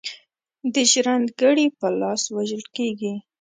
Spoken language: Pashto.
د ژرند ګړي په لاس وژل کیږي.